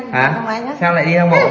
hả sao lại đi thăm bộ